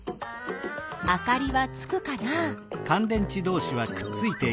あかりはつくかな？